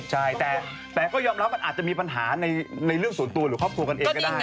ใช่แต่ก็ยอมรับมันอาจจะมีปัญหาในเรื่องส่วนตัวหรือครอบครัวกันเองก็ได้